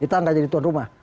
kita nggak jadi tuan rumah